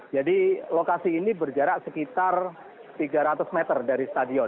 jadi lokasi ini berjarak sekitar tiga ratus meter